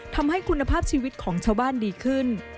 ทำให้คุณภาพชีวิตของชาวบ้านดีขึ้น